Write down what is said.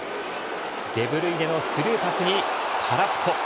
デブルイネのスルーパスにカラスコ。